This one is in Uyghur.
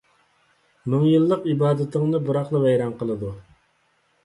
مىڭ يىللىق ئىبادىتىڭنى بىراقلا ۋەيران قىلىدۇ.